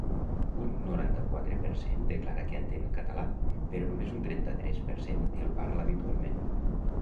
Un noranta-quatre per cent declara que entén el català, però només un trenta-tres per cent el parla habitualment.